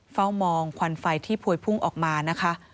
เฝ้ามองควันไฟที่พวยพุ่งออกมานะคะ